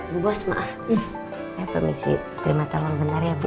bu bos maaf saya permisi terima tangan sebentar ya bu ya